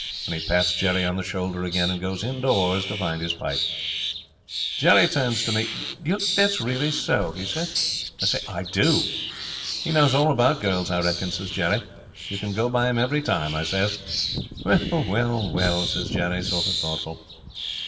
And he pats Jerry on the shoulder again and goes indoors to find his pipe. 'Jerry turns to me. "Do you think that's really so?" he says. I says, "I do." "He knows all about girls, I reckon," says Jerry. "You can go by him every time," I says. "Well, well," says Jerry, sort of thoughtful.'